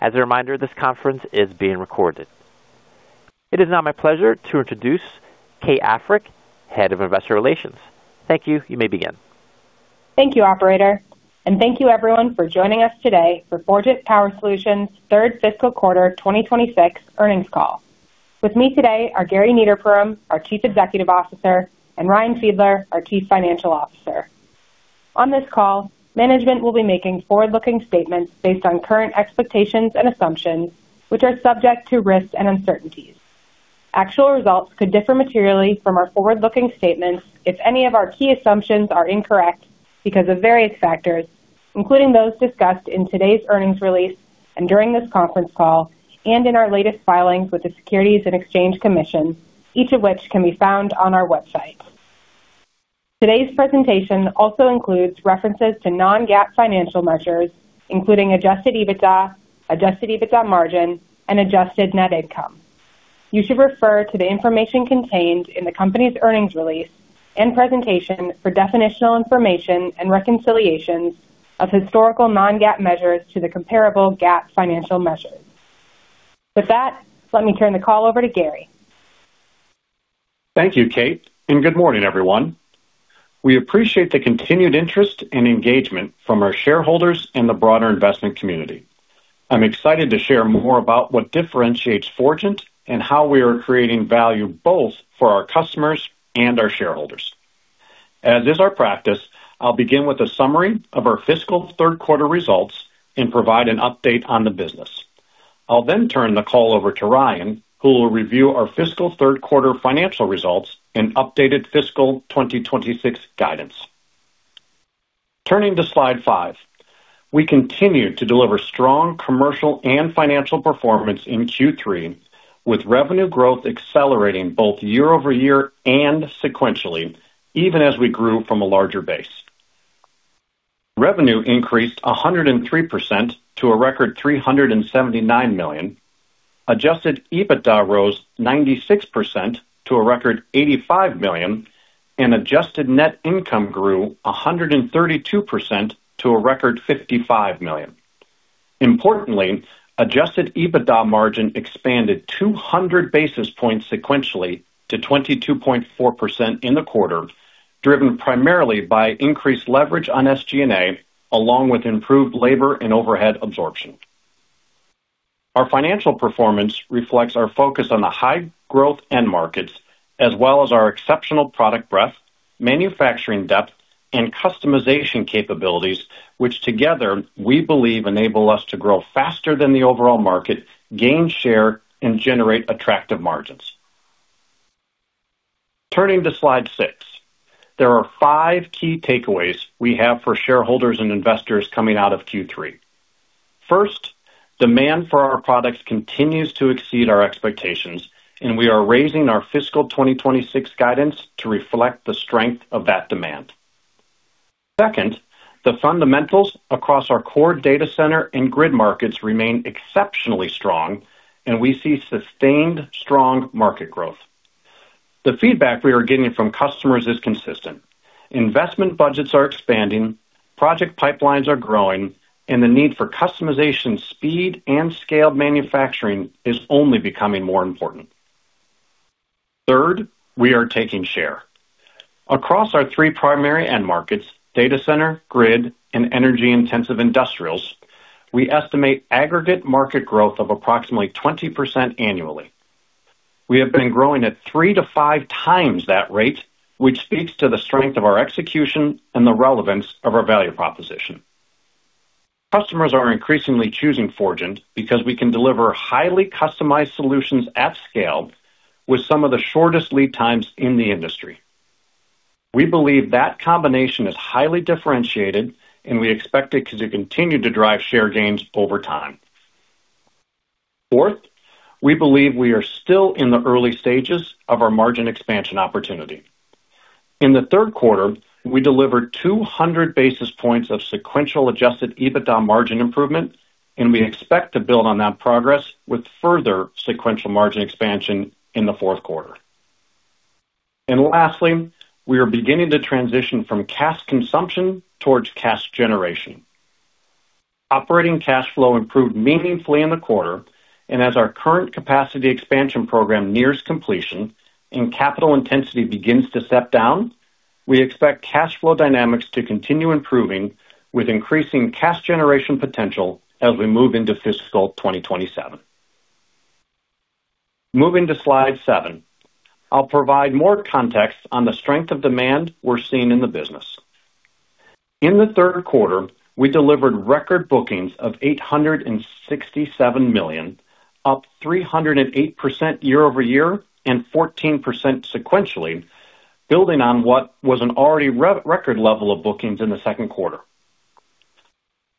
As a reminder, this conference is being recorded. It is now my pleasure to introduce Kate Africk, Head of Investor Relations. Thank you. You may begin. Thank you, operator, and thank you everyone for joining us today for Forgent Power Solutions' Third Fiscal Quarter 2026 Earnings call. With me today are Gary Niederpruem, our Chief Executive Officer, and Ryan Fiedler, our Chief Financial Officer. On this call, management will be making forward-looking statements based on current expectations and assumptions, which are subject to risks and uncertainties. Actual results could differ materially from our forward-looking statements if any of our key assumptions are incorrect because of various factors, including those discussed in today's earnings release and during this conference call, and in our latest filings with the Securities and Exchange Commission, each of which can be found on our website. Today's presentation also includes references to non-GAAP financial measures, including adjusted EBITDA, adjusted EBITDA margin, and adjusted net income. You should refer to the information contained in the company's earnings release and presentation for definitional information and reconciliations of historical non-GAAP measures to the comparable GAAP financial measures. With that, let me turn the call over to Gary. Thank you, Kate, and good morning, everyone. We appreciate the continued interest and engagement from our shareholders and the broader investment community. I'm excited to share more about what differentiates Forgent and how we are creating value both for our customers and our shareholders. As is our practice, I'll begin with a summary of our fiscal third quarter results and provide an update on the business. I'll then turn the call over to Ryan, who will review our fiscal third quarter financial results and updated fiscal 2026 guidance. Turning to slide five. We continued to deliver strong commercial and financial performance in Q3, with revenue growth accelerating both year-over-year and sequentially, even as we grew from a larger base. Revenue increased 103% to a record $379 million. Adjusted EBITDA rose 96% to a record $85 million, and adjusted net income grew 132% to a record $55 million. Importantly, adjusted EBITDA margin expanded 200 basis points sequentially to 22.4% in the quarter, driven primarily by increased leverage on SG&A, along with improved labor and overhead absorption. Our financial performance reflects our focus on the high-growth end markets as well as our exceptional product breadth, manufacturing depth, and customization capabilities, which together we believe enable us to grow faster than the overall market, gain share, and generate attractive margins. Turning to slide six. There are five key takeaways we have for shareholders and investors coming out of Q3. First, demand for our products continues to exceed our expectations, and we are raising our fiscal 2026 guidance to reflect the strength of that demand. The fundamentals across our core data center and grid markets remain exceptionally strong, and we see sustained strong market growth. The feedback we are getting from customers is consistent. Investment budgets are expanding, project pipelines are growing, and the need for customization speed and scale manufacturing is only becoming more important. We are taking share. Across our three primary end markets, data center, grid, and energy-intensive industrials, we estimate aggregate market growth of approximately 20% annually. We have been growing at 3x to 5x that rate, which speaks to the strength of our execution and the relevance of our value proposition. Customers are increasingly choosing Forgent because we can deliver highly customized solutions at scale with some of the shortest lead times in the industry. We believe that combination is highly differentiated, and we expect it to continue to drive share gains over time. Fourth, we believe we are still in the early stages of our margin expansion opportunity. In the third quarter, we delivered 200 basis points of sequential adjusted EBITDA margin improvement, and we expect to build on that progress with further sequential margin expansion in the fourth quarter. Lastly, we are beginning to transition from cash consumption towards cash generation. Operating cash flow improved meaningfully in the quarter, and as our current capacity expansion program nears completion and capital intensity begins to step down, we expect cash flow dynamics to continue improving with increasing cash generation potential as we move into fiscal 2027. Moving to slide seven. I'll provide more context on the strength of demand we're seeing in the business. In the third quarter, we delivered record bookings of $867 million, up 308% year-over-year and 14% sequentially, building on what was an already record level of bookings in the second quarter.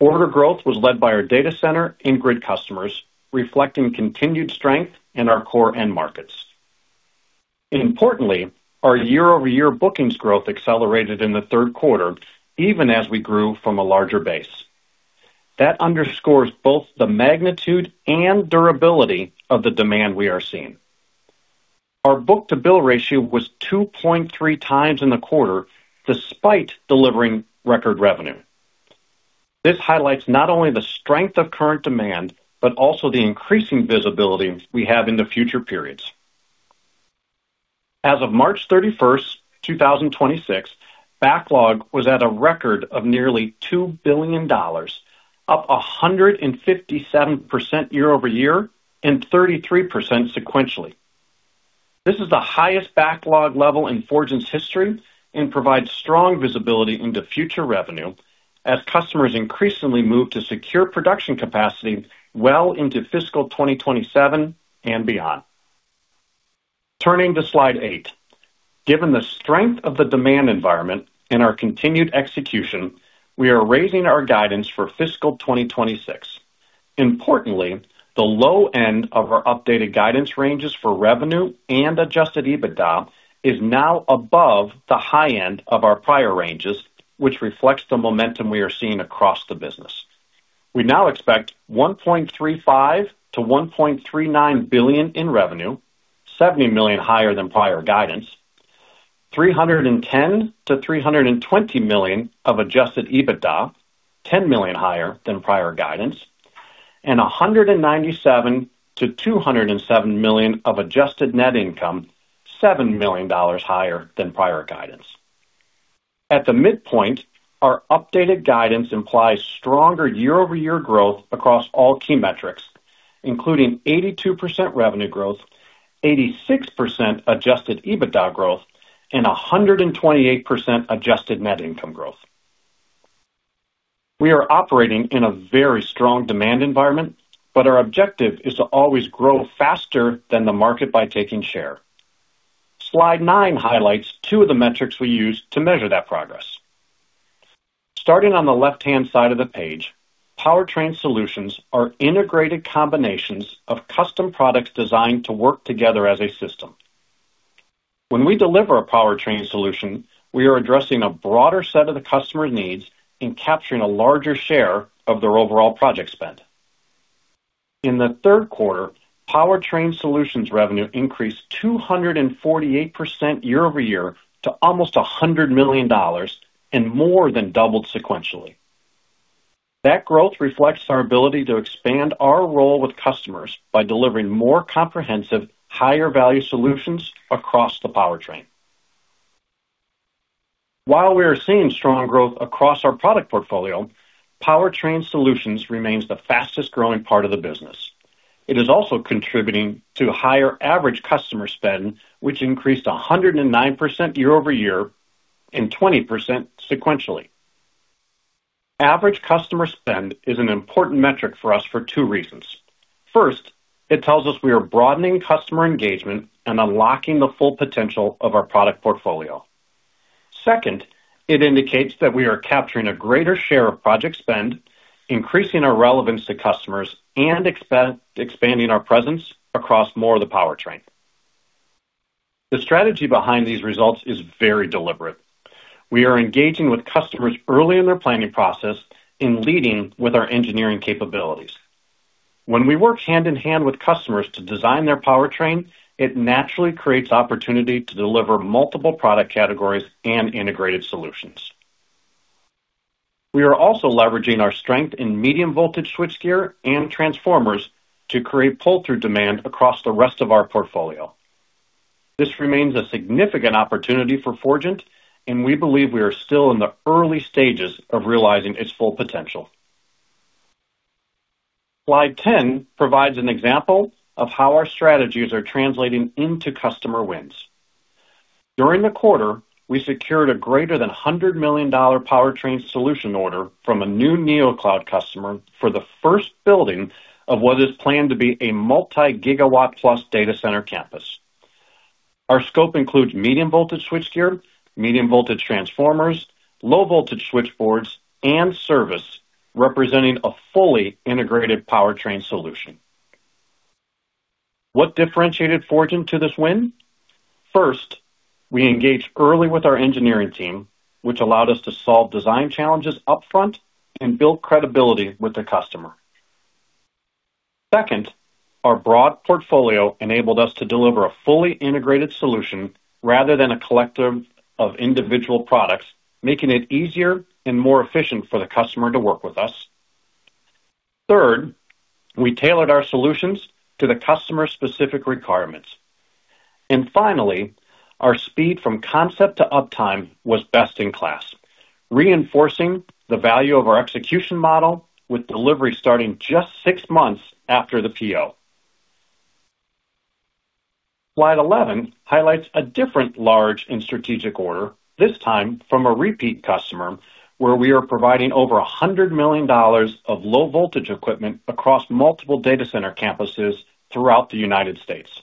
Order growth was led by our data center and grid customers, reflecting continued strength in our core end markets. Importantly, our year-over-year bookings growth accelerated in the third quarter, even as we grew from a larger base. That underscores both the magnitude and durability of the demand we are seeing. Our book-to-bill ratio was 2.3x in the quarter despite delivering record revenue. This highlights not only the strength of current demand, but also the increasing visibility we have in the future periods. As of March 31st, 2026, backlog was at a record of nearly $2 billion, up 157% year-over-year and 33% sequentially. This is the highest backlog level in Forgent's history and provides strong visibility into future revenue as customers increasingly move to secure production capacity well into fiscal 2027 and beyond. Turning to slide eight. Given the strength of the demand environment and our continued execution, we are raising our guidance for fiscal 2026. Importantly, the low end of our updated guidance ranges for revenue and adjusted EBITDA is now above the high end of our prior ranges, which reflects the momentum we are seeing across the business. We now expect $1.35 billion-$1.39 billion in revenue, $70 million higher than prior guidance, $310 million-$320 million of adjusted EBITDA, $10 million higher than prior guidance, and $197 million-$207 million of adjusted net income, $7 million higher than prior guidance. At the midpoint, our updated guidance implies stronger year-over-year growth across all key metrics, including 82% revenue growth, 86% adjusted EBITDA growth, and 128% adjusted net income growth. We are operating in a very strong demand environment. Our objective is to always grow faster than the market by taking share. Slide nine highlights two of the metrics we use to measure that progress. Starting on the left-hand side of the page, Powertrain Solutions are integrated combinations of custom products designed to work together as a system. When we deliver a Powertrain Solution, we are addressing a broader set of the customer's needs and capturing a larger share of their overall project spend. In the third quarter, Powertrain Solutions revenue increased 248% year-over-year to almost $100 million and more than doubled sequentially. That growth reflects our ability to expand our role with customers by delivering more comprehensive, higher-value solutions across the powertrain. While we are seeing strong growth across our product portfolio, Powertrain Solutions remains the fastest-growing part of the business. It is also contributing to higher average customer spend, which increased 109% year-over-year and 20% sequentially. Average customer spend is an important metric for us for two reasons. First, it tells us we are broadening customer engagement and unlocking the full potential of our product portfolio. Second, it indicates that we are capturing a greater share of project spend, increasing our relevance to customers, and expanding our presence across more of the powertrain. The strategy behind these results is very deliberate. We are engaging with customers early in their planning process in leading with our engineering capabilities. When we work hand-in-hand with customers to design their powertrain, it naturally creates opportunity to deliver multiple product categories and integrated solutions. We are also leveraging our strength in medium-voltage switchgear and transformers to create pull-through demand across the rest of our portfolio. This remains a significant opportunity for Forgent, and we believe we are still in the early stages of realizing its full potential. Slide 10 provides an example of how our strategies are translating into customer wins. During the quarter, we secured a greater than $100 million Powertrain Solutions order from a new NeoCloud customer for the first building of what is planned to be a multi-gigawatt plus data center campus. Our scope includes medium-voltage switchgear, medium-voltage transformers, low-voltage switchboards, and service, representing a fully integrated Powertrain Solutions. What differentiated Forgent to this win? First, we engaged early with our engineering team, which allowed us to solve design challenges upfront and build credibility with the customer. Second, our broad portfolio enabled us to deliver a fully integrated solution rather than a collective of individual products, making it easier and more efficient for the customer to work with us. Third, we tailored our solutions to the customer-specific requirements. Finally, our speed from concept to uptime was best in class, reinforcing the value of our execution model with delivery starting just six months after the PO. Slide 11 highlights a different large and strategic order, this time from a repeat customer, where we are providing over $100 million of low-voltage equipment across multiple data center campuses throughout the U.S.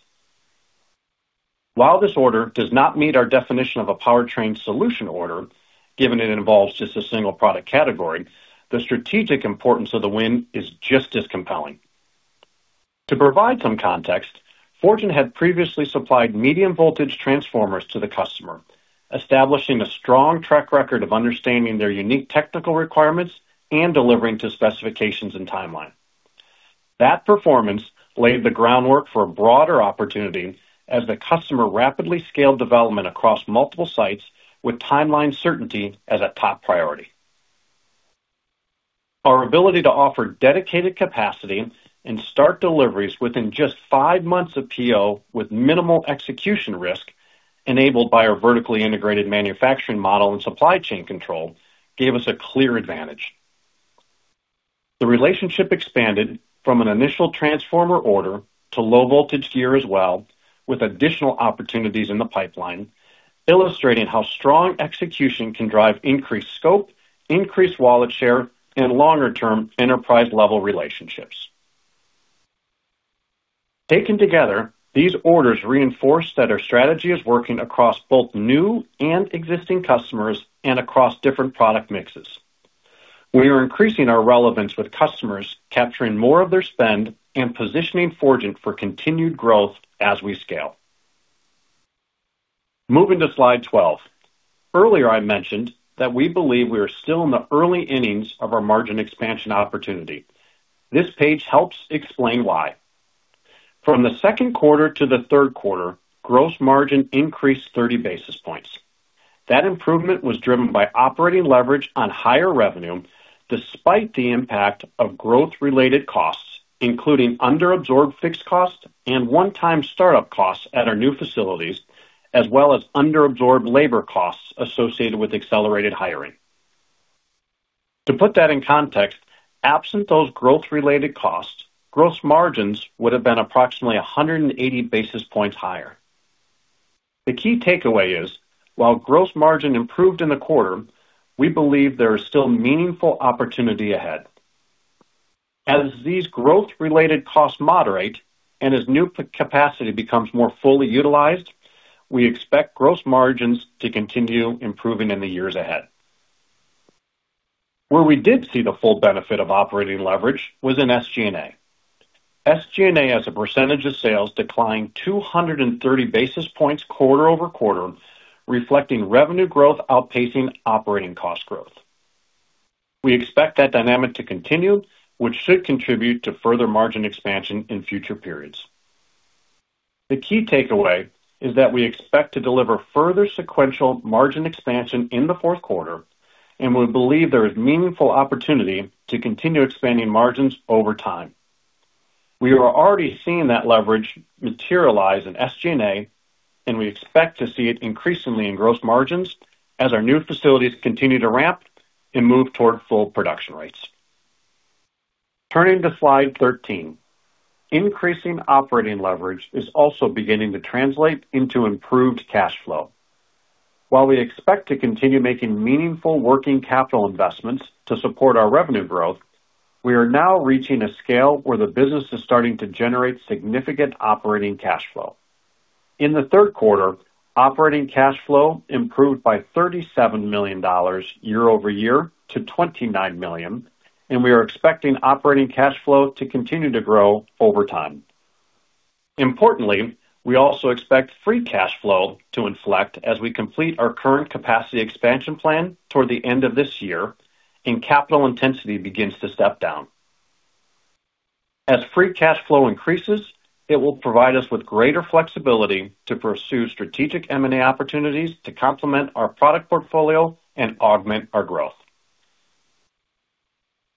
While this order does not meet our definition of a Powertrain Solutions order, given it involves just a single product category, the strategic importance of the win is just as compelling. To provide some context, Forgent had previously supplied medium-voltage transformers to the customer, establishing a strong track record of understanding their unique technical requirements and delivering to specifications and timeline. That performance laid the groundwork for a broader opportunity as the customer rapidly scaled development across multiple sites with timeline certainty as a top priority. Our ability to offer dedicated capacity and start deliveries within just five months of PO with minimal execution risk, enabled by our vertically integrated manufacturing model and supply chain control, gave us a clear advantage. The relationship expanded from an initial transformer order to low-voltage switchboards as well, with additional opportunities in the pipeline, illustrating how strong execution can drive increased scope, increased wallet share, and longer-term enterprise-level relationships. Taken together, these orders reinforce that our strategy is working across both new and existing customers and across different product mixes. We are increasing our relevance with customers, capturing more of their spend and positioning Forgent for continued growth as we scale. Moving to slide 12. Earlier, I mentioned that we believe we are still in the early innings of our margin expansion opportunity. This page helps explain why. From the second quarter to the third quarter, gross margin increased 30 basis points. That improvement was driven by operating leverage on higher revenue despite the impact of growth-related costs, including under-absorbed fixed costs and one-time start-up costs at our new facilities, as well as under-absorbed labor costs associated with accelerated hiring. To put that in context, absent those growth-related costs, gross margins would have been approximately 180 basis points higher. The key takeaway is, while gross margin improved in the quarter, we believe there is still meaningful opportunity ahead. As these growth-related costs moderate and as new capacity becomes more fully utilized, we expect gross margins to continue improving in the years ahead. Where we did see the full benefit of operating leverage was in SG&A. SG&A, as a percentage of sales, declined 230 basis points quarter-over-quarter, reflecting revenue growth outpacing operating cost growth. We expect that dynamic to continue, which should contribute to further margin expansion in future periods. The key takeaway is that we expect to deliver further sequential margin expansion in the fourth quarter, and we believe there is meaningful opportunity to continue expanding margins over time. We are already seeing that leverage materialize in SG&A, and we expect to see it increasingly in gross margins as our new facilities continue to ramp and move toward full production rates. Turning to slide 13. Increasing operating leverage is also beginning to translate into improved cash flow. While we expect to continue making meaningful working capital investments to support our revenue growth, we are now reaching a scale where the business is starting to generate significant operating cash flow. In the third quarter, operating cash flow improved by $37 million year-over-year to $29 million. We are expecting operating cash flow to continue to grow over time. Importantly, we also expect free cash flow to inflect as we complete our current capacity expansion plan toward the end of this year and capital intensity begins to step down. As free cash flow increases, it will provide us with greater flexibility to pursue strategic M&A opportunities to complement our product portfolio and augment our growth.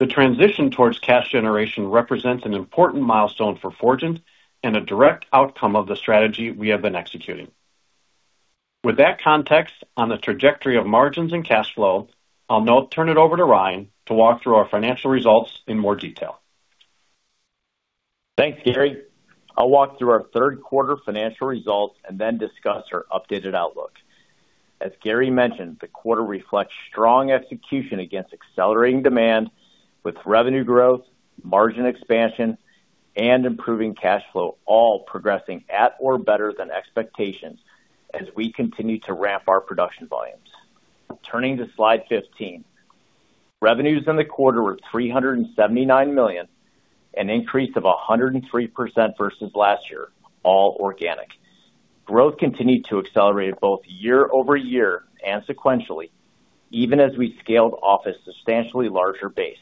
The transition towards cash generation represents an important milestone for Forgent and a direct outcome of the strategy we have been executing. With that context on the trajectory of margins and cash flow, I'll now turn it over to Ryan to walk through our financial results in more detail. Thanks, Gary. I'll walk through our third quarter financial results and then discuss our updated outlook. As Gary mentioned, the quarter reflects strong execution against accelerating demand with revenue growth, margin expansion, and improving cash flow all progressing at or better than expectations as we continue to ramp our production volumes. Turning to slide 15. Revenues in the quarter were $379 million, an increase of 103% versus last year, all organic. Growth continued to accelerate both year-over-year and sequentially, even as we scaled off a substantially larger base.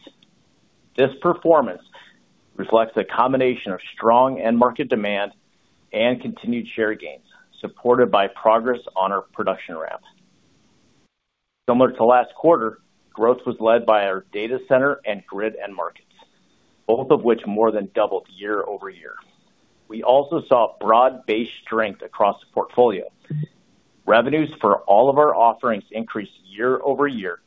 This performance reflects a combination of strong end market demand and continued share gains, supported by progress on our production ramp. Similar to last quarter, growth was led by our data center and grid end markets, both of which more than doubled year-over-year. We also saw broad-based strength across the portfolio. Revenues for all of our offerings increased year-over-year,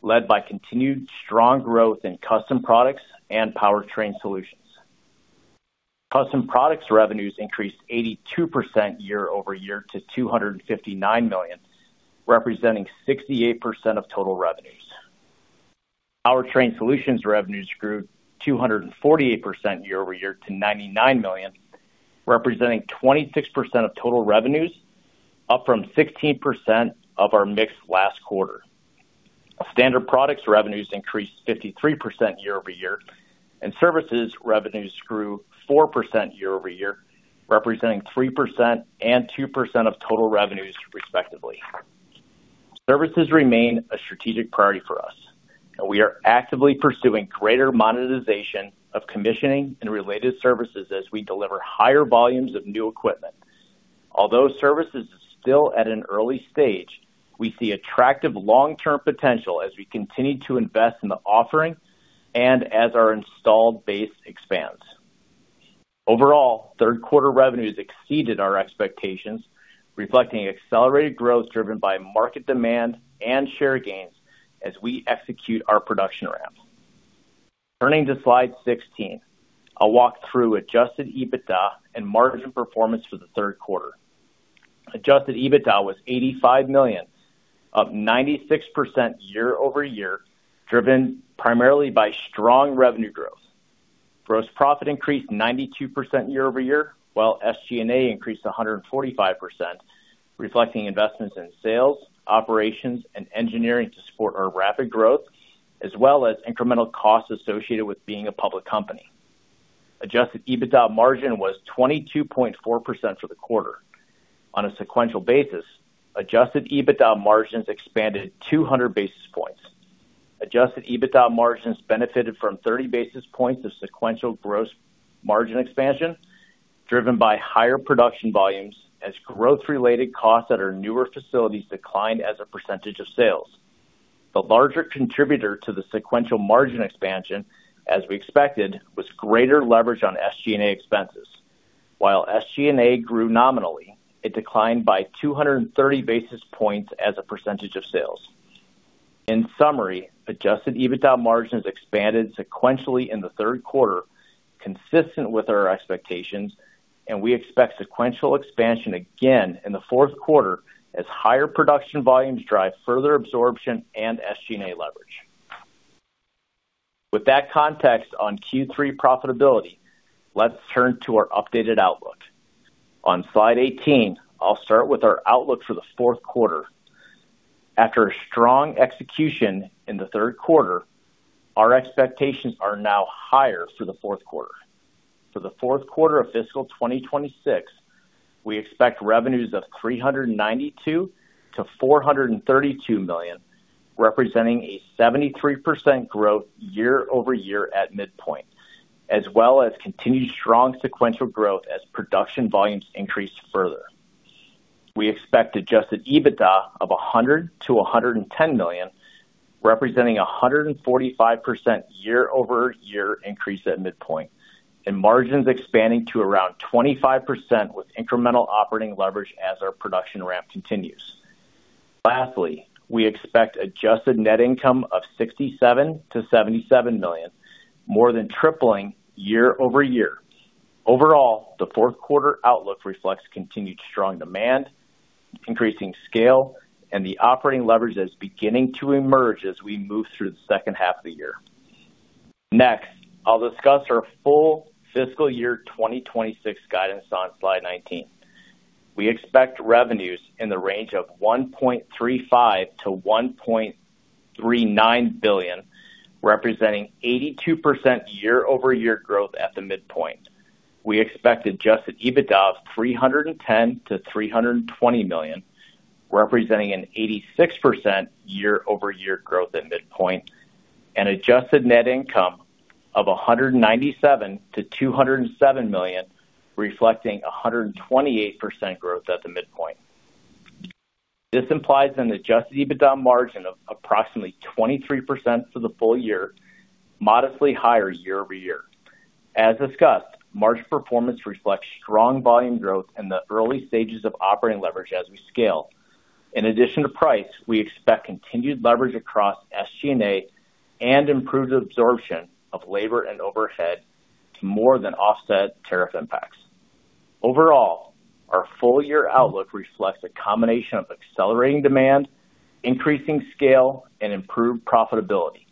led by continued strong growth in custom products and Powertrain Solutions. Custom products revenues increased 82% year-over-year to $259 million, representing 68% of total revenues. Powertrain Solutions revenues grew 248% year-over-year to $99 million, representing 26% of total revenues, up from 16% of our mix last quarter. Our standard products revenues increased 53% year-over-year, and services revenues grew 4% year-over-year, representing 3% and 2% of total revenues respectively. Services remain a strategic priority for us, and we are actively pursuing greater monetization of commissioning and related services as we deliver higher volumes of new equipment. Although services is still at an early stage, we see attractive long-term potential as we continue to invest in the offering and as our installed base expands. Overall, third quarter revenues exceeded our expectations, reflecting accelerated growth driven by market demand and share gains as we execute our production ramps. Turning to slide 16, I'll walk through adjusted EBITDA and margin performance for the third quarter. Adjusted EBITDA was $85 million, up 96% year-over-year, driven primarily by strong revenue growth. Gross profit increased 92% year-over-year, while SG&A increased 145%, reflecting investments in sales, operations, and engineering to support our rapid growth, as well as incremental costs associated with being a public company. Adjusted EBITDA margin was 22.4% for the quarter. On a sequential basis, adjusted EBITDA margins expanded 200 basis points. Adjusted EBITDA margins benefited from 30 basis points of sequential gross margin expansion, driven by higher production volumes as growth-related costs at our newer facilities declined as a percentage of sales. The larger contributor to the sequential margin expansion, as we expected, was greater leverage on SG&A expenses. While SG&A grew nominally, it declined by 230 basis points as a percentage of sales. In summary, adjusted EBITDA margins expanded sequentially in the third quarter, consistent with our expectations, and we expect sequential expansion again in the fourth quarter as higher production volumes drive further absorption and SG&A leverage. With that context on Q3 profitability, let's turn to our updated outlook. On slide 18, I'll start with our outlook for the fourth quarter. After a strong execution in the third quarter, our expectations are now higher for the fourth quarter. For the fourth quarter of fiscal 2026, we expect revenues of $392 million-$432 million, representing a 73% growth year-over-year at midpoint, as well as continued strong sequential growth as production volumes increase further. We expect adjusted EBITDA of $100 million-$110 million, representing a 145% year-over-year increase at midpoint, and margins expanding to around 25% with incremental operating leverage as our production ramp continues. Lastly, we expect adjusted net income of $67 million-$77 million, more than tripling year-over-year. Overall, the fourth quarter outlook reflects continued strong demand, increasing scale, and the operating leverage that's beginning to emerge as we move through the second half of the year. Next, I'll discuss our full fiscal year 2026 guidance on slide 19. We expect revenues in the range of $1.35 billion-$1.39 billion, representing 82% year-over-year growth at the midpoint. We expect adjusted EBITDA of $310 million-$320 million, representing an 86% year-over-year growth at midpoint, and adjusted net income of $197 million-$207 million, reflecting 128% growth at the midpoint. This implies an adjusted EBITDA margin of approximately 23% for the full year, modestly higher year-over-year. As discussed, margin performance reflects strong volume growth in the early stages of operating leverage as we scale. In addition to price, we expect continued leverage across SG&A and improved absorption of labor and overhead to more than offset tariff impacts. Overall, our full year outlook reflects a combination of accelerating demand, increasing scale, and improved profitability,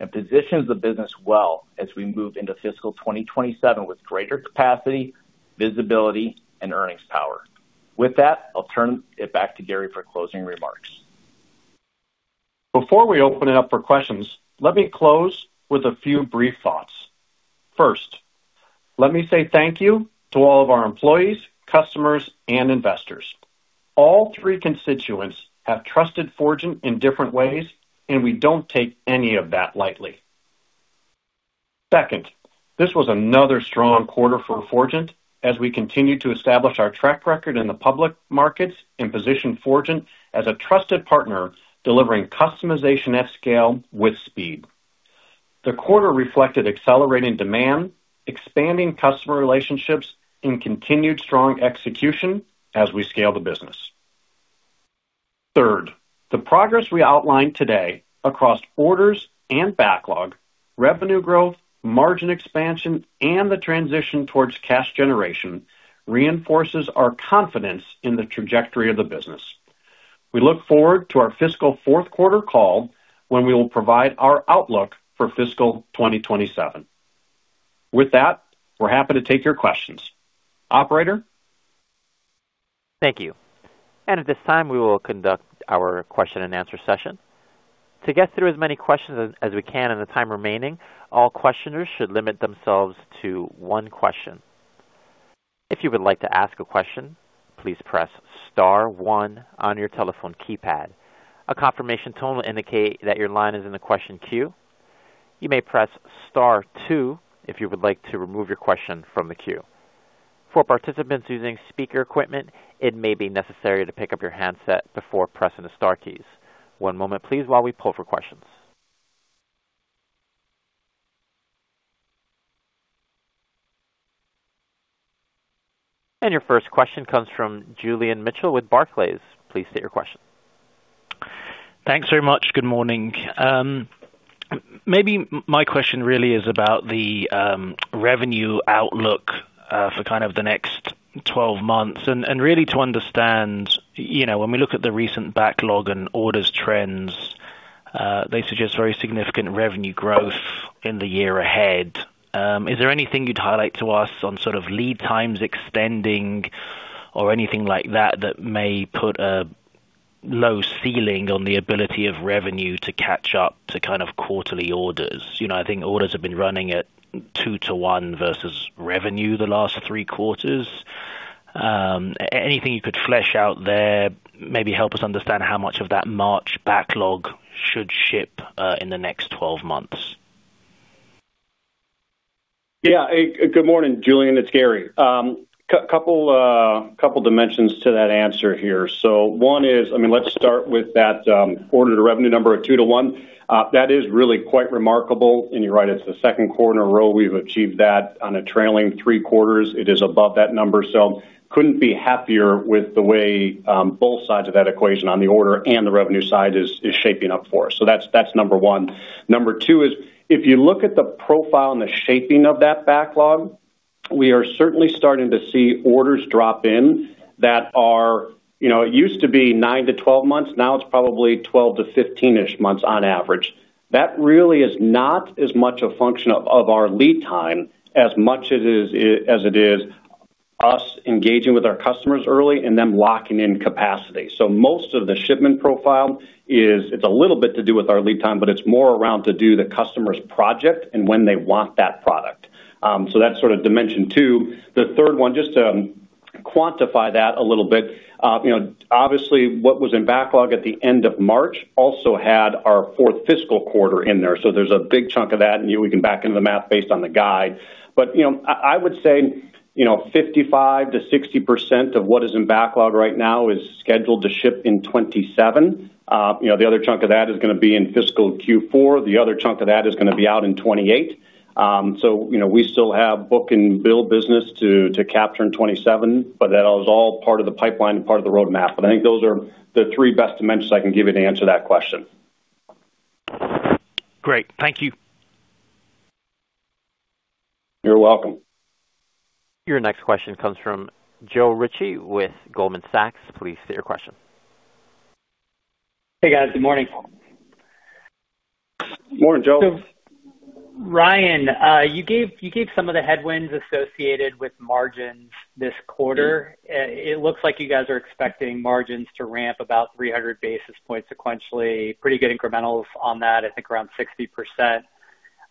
and positions the business well as we move into fiscal 2027 with greater capacity, visibility, and earnings power. With that, I'll turn it back to Gary for closing remarks. Before we open it up for questions, let me close with a few brief thoughts. First, let me say thank you to all of our employees, customers, and investors. All three constituents have trusted Forgent in different ways, and we don't take any of that lightly. Second, this was another strong quarter for Forgent as we continue to establish our track record in the public markets and position Forgent as a trusted partner delivering customization at scale with speed. The quarter reflected accelerating demand, expanding customer relationships, and continued strong execution as we scale the business. Third, the progress we outlined today across orders and backlog, revenue growth, margin expansion, and the transition towards cash generation reinforces our confidence in the trajectory of the business. We look forward to our fiscal fourth quarter call when we will provide our outlook for fiscal 2027. With that, we are happy to take your questions. Operator? Thank you. At this time, we will conduct our question-and-answer session. To get through as many questions as we can with the time remaining all questionners should limit themselves to one question. If you would like to ask a question please press star one on your telephone keypad. A confirmation tone will indicate that your line is in the question queue. You may press star two if you would like to remove your question from the queue. For participant using speaker equipment it maybe necessary to pick up your handset before pressing the star keys. One moment please while we poll for questions. Your first question comes from Julian Mitchell with Barclays. Please state your question. Thanks very much. Good morning. Maybe my question really is about the revenue outlook for the next 12 months. Really to understand, you know, when we look at the recent backlog and orders trends, they suggest very significant revenue growth in the year ahead. Is there anything you'd highlight to us on sort of lead times extending or anything like that may put a low ceiling on the ability of revenue to catch up to kind of quarterly orders? You know, I think orders have been running at 2:1 versus revenue the last three quarters. Anything you could flesh out there, maybe help us understand how much of that March backlog should ship in the next 12 months. Hey, good morning, Julian, it's Gary. Couple dimensions to that answer here. One is, I mean, let's start with that order to revenue number of 2:1. That is really quite remarkable. You're right, it's the second quarter in a row we've achieved that on a trailing three quarters. It is above that number. Couldn't be happier with the way both sides of that equation on the order and the revenue side is shaping up for us. That's number one. Number two is if you look at the profile and the shaping of that backlog, we are certainly starting to see orders drop in that are, you know, it used to be 9-12 months, now it's probably 12-15-ish months on average. That really is not as much a function of our lead time as much it is us engaging with our customers early and them locking in capacity. Most of the shipment profile is it's a little bit to do with our lead time, but it's more around to do the customer's project and when they want that product. That's sort of dimension two. The third one, just to quantify that a little bit, you know, obviously what was in backlog at the end of March also had our fourth fiscal quarter in there. There's a big chunk of that, and we can back into the math based on the guide. You know, I would say, you know, 55%-60% of what is in backlog right now is scheduled to ship in 2027. You know, the other chunk of that is gonna be in fiscal Q4. The other chunk of that is gonna be out in 2028. You know, we still have book and build business to capture in 2027, but that is all part of the pipeline and part of the roadmap. I think those are the three best dimensions I can give you to answer that question. Great. Thank you. You're welcome. Your next question comes from Joe Ritchie with Goldman Sachs. Please state your question. Hey, guys. Good morning. Morning, Joe. Ryan, you gave some of the headwinds associated with margins this quarter. It looks like you guys are expecting margins to ramp about 300 basis points sequentially. Pretty good incrementals on that, I think around 60%.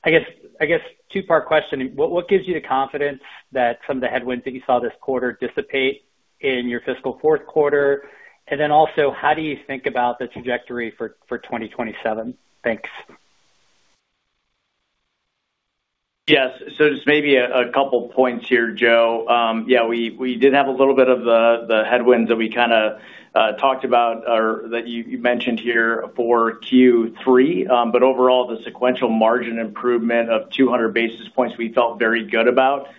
I guess two-part question. What gives you the confidence that some of the headwinds that you saw this quarter dissipate in your fiscal fourth quarter? How do you think about the trajectory for 2027? Thanks. Just maybe a couple points here, Joe. We did have a little bit of the headwinds that we kinda talked about or that you mentioned here for Q3. Overall, the sequential margin improvement of 200 basis points we felt very good about.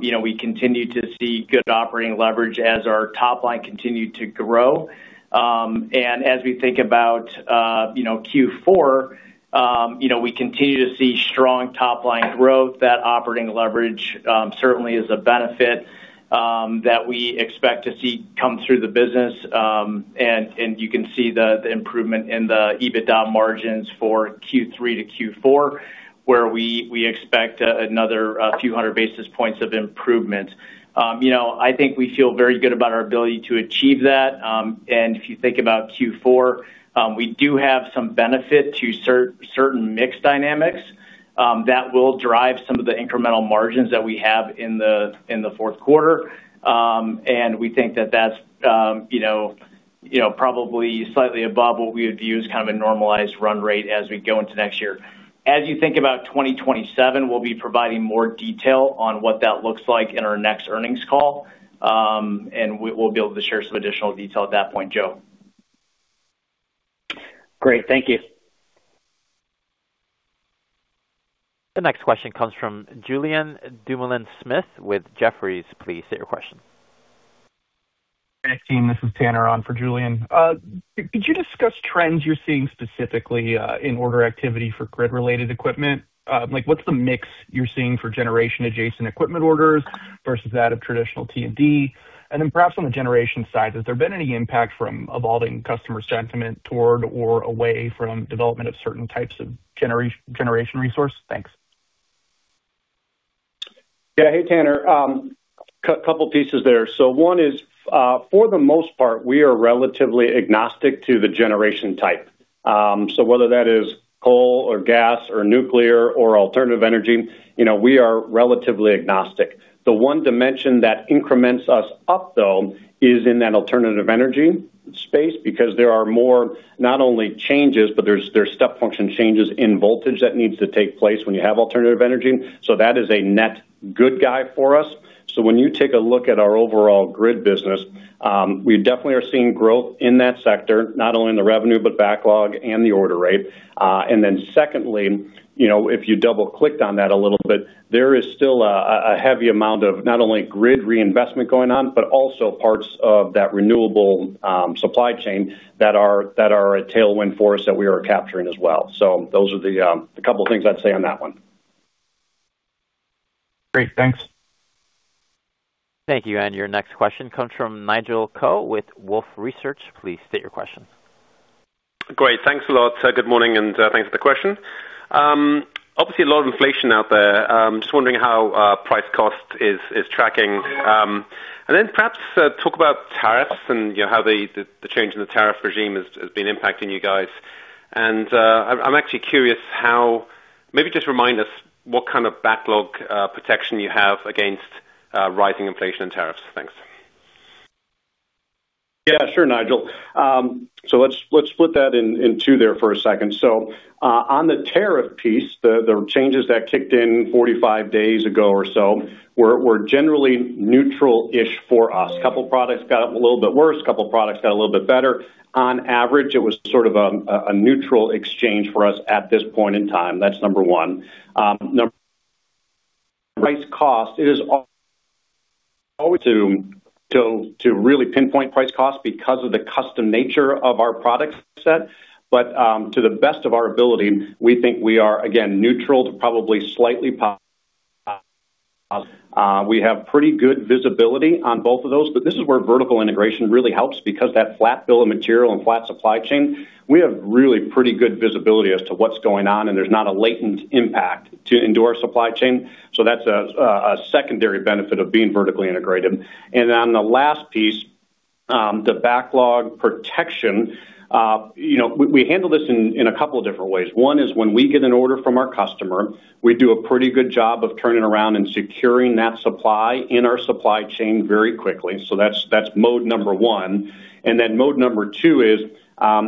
You know, we continued to see good operating leverage as our top line continued to grow. As we think about, you know, Q4, you know, we continue to see strong top-line growth. That operating leverage certainly is a benefit that we expect to see come through the business. You can see the improvement in the EBITDA margins for Q3 to Q4, where we expect another 200 basis points of improvement. You know, I think we feel very good about our ability to achieve that. If you think about Q4, we do have some benefit to certain mix dynamics that will drive some of the incremental margins that we have in the, in the fourth quarter. We think that that's, you know, probably slightly above what we would view as kind of a normalized run-rate as we go into next year. As you think about 2027, we'll be providing more detail on what that looks like in our next earnings call. We'll be able to share some additional detail at that point, Joe. Great. Thank you. The next question comes from Julien Dumoulin-Smith with Jefferies. Please state your question. Hey, team. This is Tanner on for Julian. Could you discuss trends you're seeing specifically in order activity for grid-related equipment? Like, what's the mix you're seeing for generation adjacent equipment orders versus that of traditional T&D? Perhaps on the generation side, has there been any impact from evolving customer sentiment toward or away from development of certain types of generation resource? Thanks. Yeah. Hey, Tanner. Couple pieces there. One is, for the most part, we are relatively agnostic to the generation type. Whether that is coal or gas or nuclear or alternative energy, you know, we are relatively agnostic. The one dimension that increments us up, though, is in that alternative energy space because there are more not only changes, but there's step function changes in voltage that needs to take place when you have alternative energy. That is a net good guy for us. When you take a look at our overall grid business, we definitely are seeing growth in that sector, not only in the revenue, but backlog and the order rate. Secondly, you know, if you double-clicked on that a little bit, there is still a heavy amount of not only grid reinvestment going on, but also parts of that renewable supply chain that are a tailwind for us that we are capturing as well. Those are the couple of things I'd say on that one. Great. Thanks. Thank you. Your next question comes from Nigel Coe with Wolfe Research. Please state your question. Great. Thanks a lot. Good morning, and thanks for the question. Obviously a lot of inflation out there. Just wondering how price cost is tracking. Then perhaps talk about tariffs and, you know, how the change in the tariff regime has been impacting you guys. I'm actually curious how maybe just remind us what kind of backlog protection you have against rising inflation and tariffs. Thanks. Yeah, sure, Nigel. Let's split that in two there for a second. On the tariff piece, the changes that kicked in 45 days ago or so were generally neutral-ish for us. Couple products got a little bit worse, couple products got a little bit better. On average, it was sort of a neutral exchange for us at this point in time. That's number one. Price cost, it is always to really pinpoint price cost because of the custom nature of our product set. To the best of our ability, we think we are, again, neutral to probably slightly, we have pretty good visibility on both of those, but this is where vertical integration really helps because that flat bill of material and flat supply chain, we have really pretty good visibility as to what's going on, and there's not a latent impact to indoor supply chain. That's a secondary benefit of being vertically integrated. On the last piece, you know, we handle this in a couple of different ways. One is when we get an order from our customer, we do a pretty good job of turning around and securing that supply in our supply chain very quickly. That's mode number one. Mode number two is,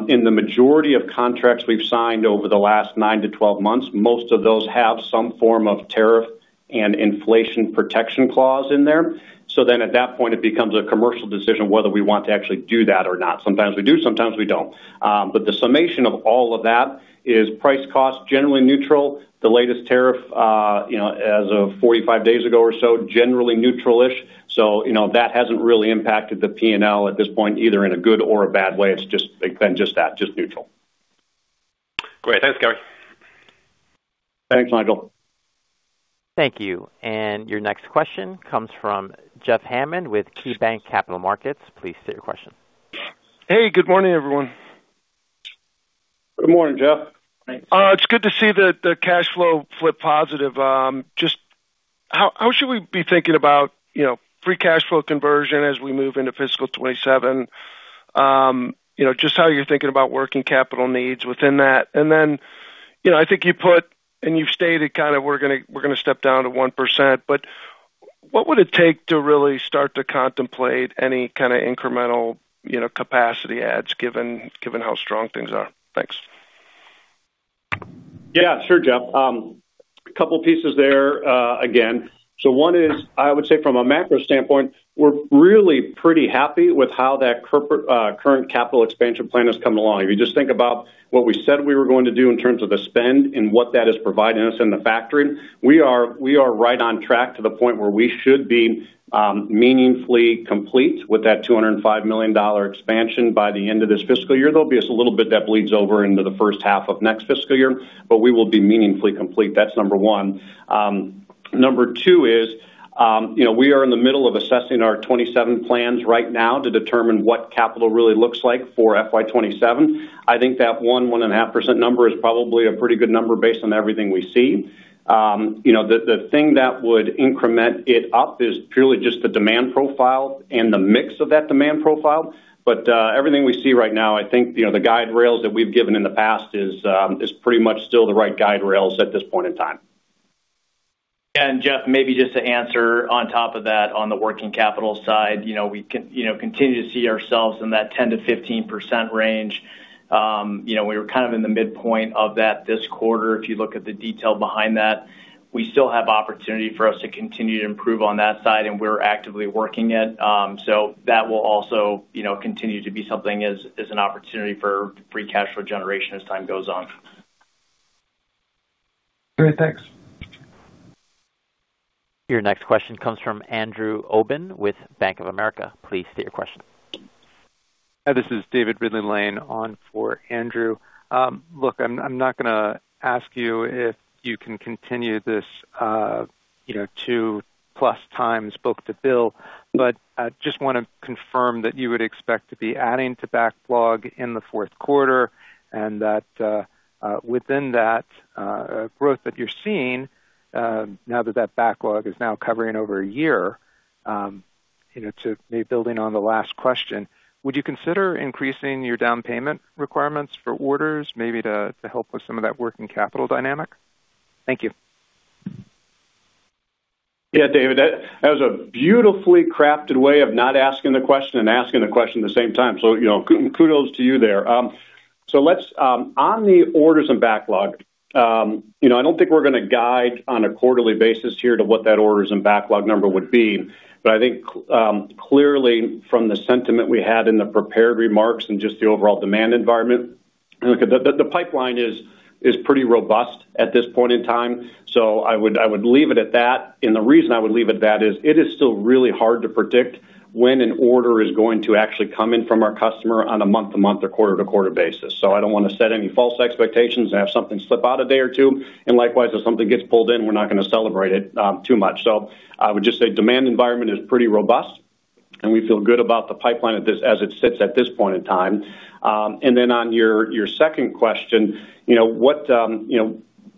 in the majority of contracts we've signed over the last 9-12 months, most of those have some form of tariff and inflation protection clause in there. At that point, it becomes a commercial decision whether we want to actually do that or not. Sometimes we do, sometimes we don't. The summation of all of that is price cost, generally neutral. The latest tariff, you know, as of 45 days ago or so, generally neutral-ish. You know, that hasn't really impacted the P&L at this point, either in a good or a bad way. It's just been just that, just neutral. Great. Thanks, Gary. Thanks, Nigel. Thank you. Your next question comes from Jeff Hammond with KeyBanc Capital Markets. Please state your question. Hey, good morning, everyone. Good morning, Jeff. It's good to see the cash flow flip positive. Just how should we be thinking about, you know, free cash flow conversion as we move into fiscal 2027? You know, just how you're thinking about working capital needs within that. Then, you know, I think you put and you've stated kind of we're gonna step down to 1%, but what would it take to really start to contemplate any kind of incremental, you know, capacity adds given how strong things are? Thanks. Yeah, sure, Jeff. A couple pieces there again. One is, I would say from a macro standpoint, we're really pretty happy with how that current capital expansion plan has come along. If you just think about what we said we were going to do in terms of the spend and what that is providing us in the factory, we are right on track to the point where we should be meaningfully complete with that $205 million expansion by the end of this fiscal year. There'll be just a little bit that bleeds over into the first half of next fiscal year, but we will be meaningfully complete. That's number one. Number two is, you know, we are in the middle of assessing our 2027 plans right now to determine what capital really looks like for FY 2027. I think that 1%-1.5% number is probably a pretty good number based on everything we see. You know, the thing that would increment it up is purely just the demand profile and the mix of that demand profile. Everything we see right now, I think, you know, the guide rails that we've given in the past is pretty much still the right guide rails at this point in time. Jeff, maybe just to answer on top of that on the working capital side. You know, we continue to see ourselves in that 10%-15% range. You know, we were kind of in the midpoint of that this quarter, if you look at the detail behind that. We still have opportunity for us to continue to improve on that side, and we're actively working it. That will also, you know, continue to be something as an opportunity for free cash flow generation as time goes on. Great. Thanks. Your next question comes from Andrew Obin with Bank of America. Please state your question. Hi, this is David Ridley-Lane on for Andrew. Look, I'm not gonna ask you if you can continue this 2+ times book-to-bill, but just wanna confirm that you would expect to be adding to backlog in the fourth quarter and that within that growth that you're seeing, now that that backlog is now covering over one year, to maybe building on the last question, would you consider increasing your down payment requirements for orders maybe to help with some of that working capital dynamic? Thank you. Yeah, David, that was a beautifully crafted way of not asking the question and asking the question at the same time. You know, kudos to you there. Let's on the orders and backlog, you know, I don't think we're gonna guide on a quarterly basis here to what that orders and backlog number would be. I think clearly from the sentiment we had in the prepared remarks and just the overall demand environment, look at the pipeline is pretty robust at this point in time. I would leave it at that. The reason I would leave it at that is it is still really hard to predict when an order is going to actually come in from our customer on a month-to-month or quarter-to-quarter basis. I don't wanna set any false expectations and have something slip out a day or two. Likewise, if something gets pulled in, we're not gonna celebrate it too much. I would just say demand environment is pretty robust, and we feel good about the pipeline as it sits at this point in time. Then on your second question, you know, what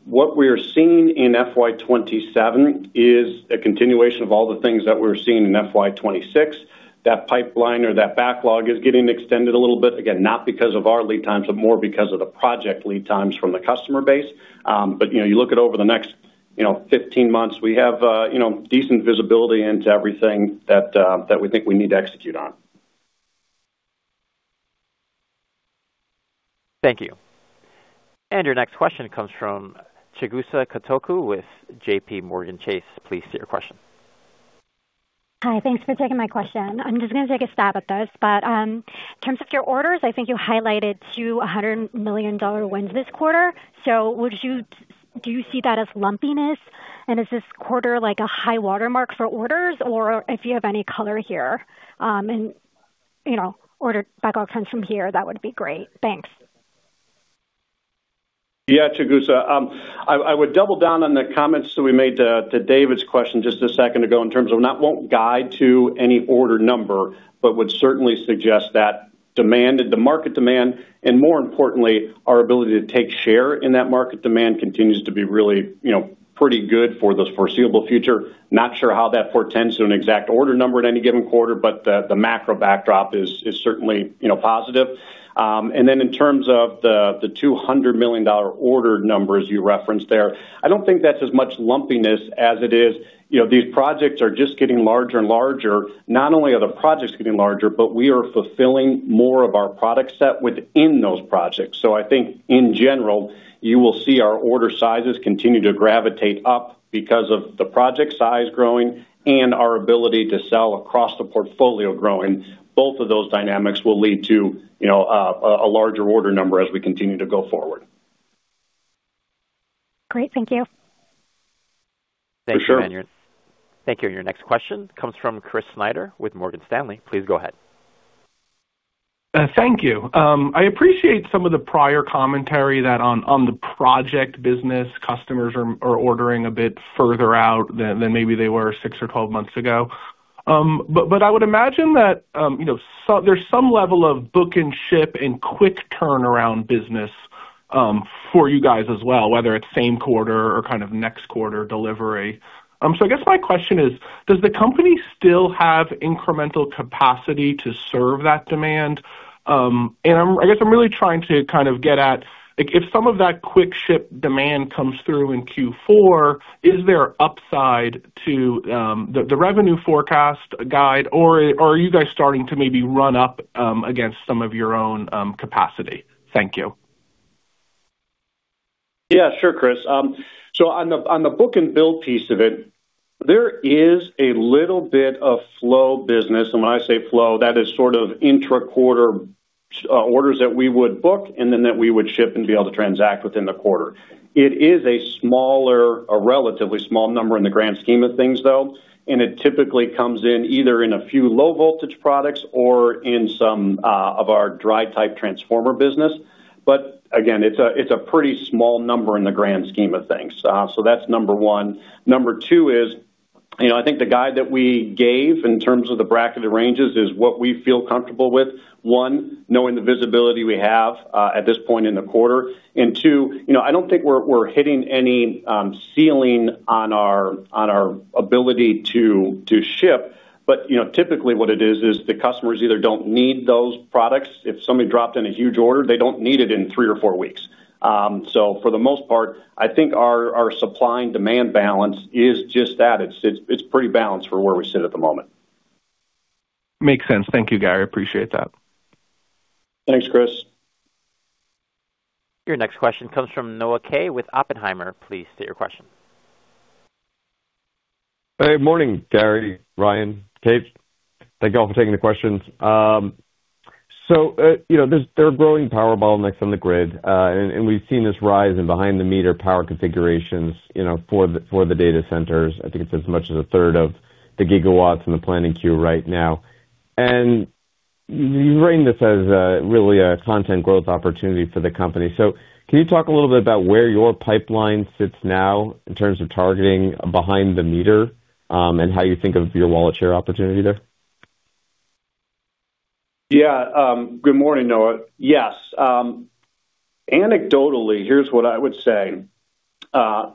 we're seeing in FY 2027 is a continuation of all the things that we're seeing in FY 2026. That pipeline or that backlog is getting extended a little bit, again, not because of our lead times, but more because of the project lead times from the customer base. You know, you look at over the next, you know, 15 months, we have, you know, decent visibility into everything that we think we need to execute on. Thank you. Your next question comes from Chigusa Katoku with JPMorgan Chase. Please state your question. Hi. Thanks for taking my question. I'm just gonna take a stab at this, but, in terms of your orders, I think you highlighted $200 million wins this quarter. Do you see that as lumpiness, and is this quarter like a high watermark for orders? If you have any color here, and, you know, order backlog trends from here, that would be great. Thanks. Yeah, Chigusa, I would double down on the comments that we made to David's question just a second ago in terms of not won't guide to any order number, but would certainly suggest that demand, the market demand, and more importantly, our ability to take share in that market demand continues to be really, you know, pretty good for the foreseeable future. Not sure how that portends to an exact order number at any given quarter, but the macro backdrop is certainly, you know, positive. Then in terms of the $200 million order number as you referenced there, I don't think that's as much lumpiness as it is, you know, these projects are just getting larger and larger. Not only are the projects getting larger, but we are fulfilling more of our product set within those projects. I think, in general, you will see our order sizes continue to gravitate up because of the project size growing and our ability to sell across the portfolio growing. Both of those dynamics will lead to, you know, a larger order number as we continue to go forward. Great. Thank you. For sure. Thank you. Your next question comes from Chris Snyder with Morgan Stanley. Please go ahead. Thank you. I appreciate some of the prior commentary that on the project business, customers are ordering a bit further out than maybe they were six or 12 months ago. I would imagine that, you know, there's some level of book-and-ship and quick turnaround business for you guys as well, whether it's same quarter or kind of next quarter delivery. I guess my question is, does the company still have incremental capacity to serve that demand? I guess I'm really trying to get at, like if some of that quick ship demand comes through in Q4, is there upside to the revenue forecast guide or are you guys starting to maybe run up against some of your own capacity? Thank you. Yeah, sure, Chris. On the book-and-bill piece of it, there is a little bit of flow business, and when I say flow, that is sort of intra-quarter orders that we would book and then that we would ship and be able to transact within the quarter. It is a relatively small number in the grand scheme of things, though, and it typically comes in either in a few low-voltage products or in some of our dry type transformer business. Again, it's a pretty small number in the grand scheme of things. That's number one. Number two is, you know, I think the guide that we gave in terms of the bracketed ranges is what we feel comfortable with, one, knowing the visibility we have at this point in the quarter. Two, you know, I don't think we're hitting any ceiling on our ability to ship. You know, typically what it is the customers either don't need those products. If somebody dropped in a huge order, they don't need it in three or four weeks. For the most part, I think our supply and demand balance is just that. It's pretty balanced for where we sit at the moment. Makes sense. Thank you, Gary. Appreciate that. Thanks, Chris. Your next question comes from Noah Kaye with Oppenheimer. Please state your question. Hey, morning, Gary, Ryan, Kate. Thank you all for taking the questions. you know, there are growing power bottlenecks on the grid, and we've seen this rise in behind the meter power configurations, you know, for the data centers. I think it's as much as a third of the gigawatts in the planning queue right now. You've written this as really a content growth opportunity for the company. Can you talk a little bit about where your pipeline sits now in terms of targeting behind the meter, and how you think of your wallet share opportunity there? Yeah. good morning, Noah. Yes. anecdotally, here's what I would say.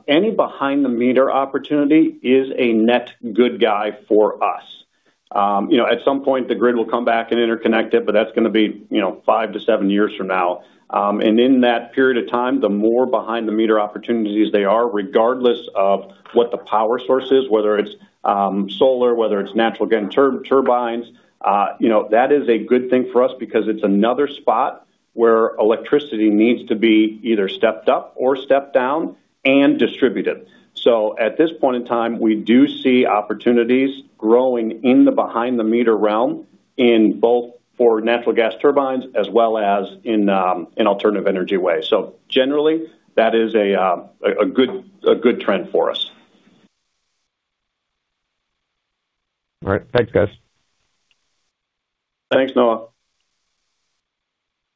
Any behind the meter opportunity is a net good guy for us. you know, at some point, the grid will come back and interconnect it, but that's gonna be, you know, 5-7 years from now. In that period of time, the more behind the meter opportunities they are, regardless of what the power source is, whether it's solar, whether it's natural, [again], turbines, you know, that is a good thing for us because it's another spot where electricity needs to be either stepped up or stepped down and distributed. At this point in time, we do see opportunities growing in the behind the meter realm in both for natural gas turbines as well as in alternative energy ways. Generally, that is a good trend for us. All right. Thanks, guys. Thanks, Noah.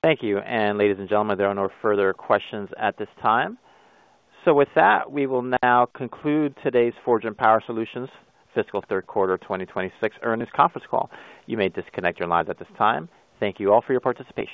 Thank you. Ladies and gentlemen, there are no further questions at this time. With that, we will now conclude today's Forgent Power Solutions fiscal third quarter 2026 earnings conference call. You may disconnect your lines at this time. Thank you all for your participation.